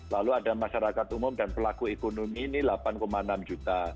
lalu ada masyarakat umum dan pelaku ekonomi ini delapan enam juta